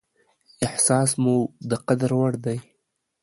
احساس مو د قدر وړ دى.